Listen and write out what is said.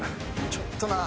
ちょっとな。